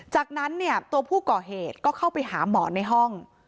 จากนั้นเนี่ยตัวผู้ก่อเหตุก็เข้าไปหาหมอในห้อง